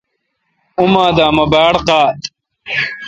اوہ دا مہ باڑ قاد۔